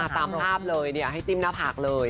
ตามภาพเลยให้จิ้มหน้าผากเลย